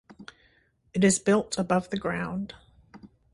It is built above the ground.